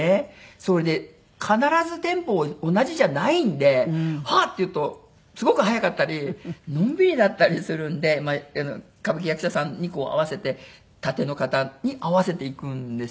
それで必ずテンポ同じじゃないんで「はっ！」って言うとすごく速かったりのんびりだったりするんで歌舞伎役者さんに合わせてタテの方に合わせていくんですよね。